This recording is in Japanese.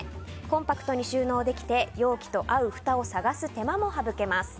コンパクトに収納できて容器と合うふたを探す手間も省けます。